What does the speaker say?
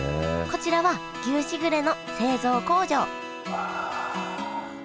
こちらは牛しぐれの製造工場うわ。